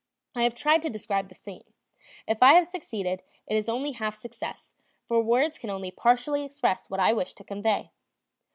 I have tried to describe the scene; if I have succeeded, it is only half success, for words can only partially express what I wish to convey.